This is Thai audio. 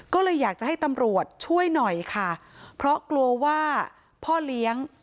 ก็เลยอยากจะให้ตำรวจช่วยหน่อยค่ะเพราะกลัวว่าพ่อเลี้ยง